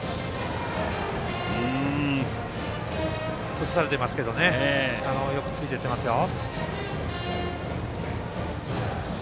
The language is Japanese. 崩されていますけどよくついていっていますよ。